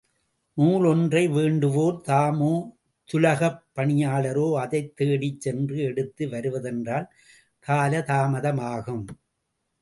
நூல் ஒன்றை வேண்டுவோர், தாமோ, துலகப் பணியாளரோ, அதைத் தேடிச் சென்று எடுத்து வருவதென்றால், காலதாமதமாகும்.